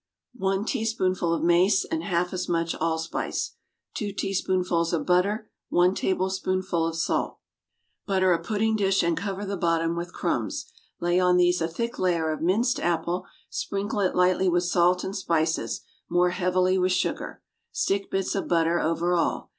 One teaspoonful of mace, and half as much allspice. Two teaspoonfuls of butter. One tablespoonful of salt. Butter a pudding dish and cover the bottom with crumbs. Lay on these a thick layer of minced apple, sprinkled lightly with salt and spices—more heavily with sugar. Stick bits of butter over all.